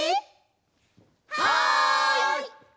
はい！